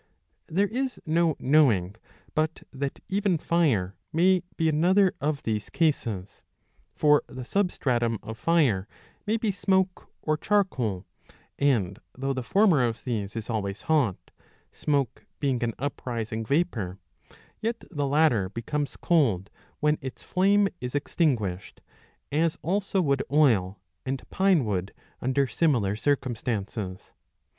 '^ There is no knowing but that even fire may be another of these cases. For the substratum of fire may be smoke or charcoal, and, though the former of these is always hot, smoke being an uprising vapour, yet the latter becomes cold when its flame is extinguished, as also would oil and pinewood under similar circumstances.